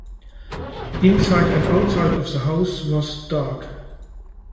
Inside and outside of the house was dark.